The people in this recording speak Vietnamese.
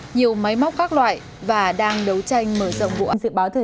nhiều máy móc khác loại và đang đấu tranh mở rộng vụ